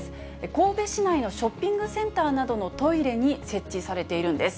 神戸市内のショッピングセンターなどのトイレに設置されているんです。